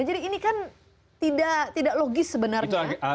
jadi ini kan tidak logis sebenarnya